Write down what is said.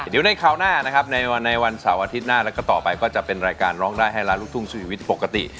เดี๋ยวในคราวหน้านะครับในวันเสาร์อาทิตย์หน้าแล้วก็ต่อไปก็จะเป็นรายการร้องได้ให้ล้านลูกทุ่งสู้ชีวิตปกติ